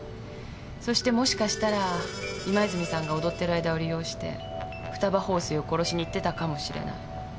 そしてもしかしたら今泉さんが踊ってる間を利用して二葉鳳水を殺しに行ってたかもしれない。